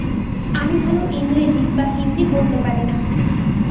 আমি ভালো ইংরেজি বা হিন্দি বলতে পারি না।